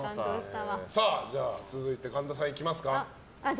じゃあ続いて神田さんいきますか。